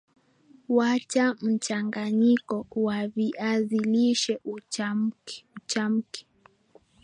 wacha mchanganyiko wa viazi lishe uchamke